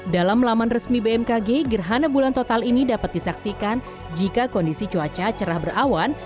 dalam laman resmi bmkg gerhana bulan total ini dapat disaksikan jika kondisi cuaca cerah berawan